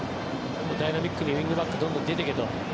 ダイナミックにウィングバックがどんどん出ていけと。